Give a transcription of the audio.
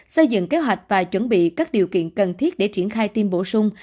xây dựng kế hoạch và chuẩn bị các điều kiện cần thiết để triển khai tiêm bổ sung